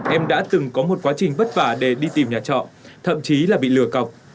em đã từng có một quá trình vất vả để đi tìm nhà trọ thậm chí là bị lừa cọc